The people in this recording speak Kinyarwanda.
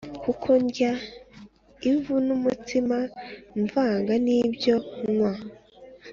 Kuko ndya ivu nk’ umutsima vanga n’ ibyo nywa